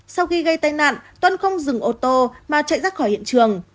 sau khi gây tai nạn tuân không dừng ô tô mà chạy ra khỏi hiện trường